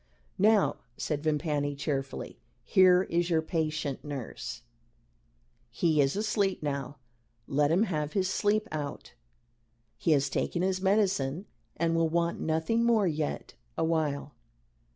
"Now," said Vimpany, cheerfully, "here is your patient, nurse. He is asleep now. Let him have his sleep out he has taken his medicine and will want nothing more yet awhile.